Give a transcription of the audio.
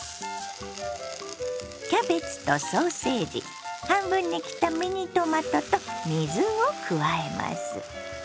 キャベツとソーセージ半分に切ったミニトマトと水を加えます。